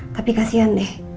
tapi kasihan deh